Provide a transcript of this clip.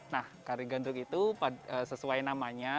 nah tari ganrung itu sesuai namanya